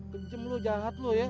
kencem lu jahat lu ya